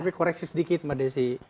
tapi koreksi sedikit mbak desi